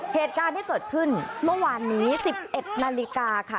เหตุการณ์ที่เกิดขึ้นเมื่อวานนี้๑๑นาฬิกาค่ะ